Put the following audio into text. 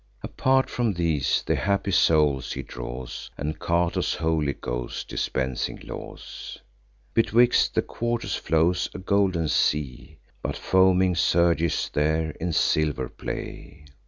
Apart from these, the happy souls he draws, And Cato's holy ghost dispensing laws. Betwixt the quarters flows a golden sea; But foaming surges there in silver play.